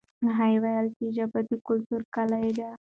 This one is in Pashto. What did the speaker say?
هغه وویل چې ژبه د کلتور کلي ده.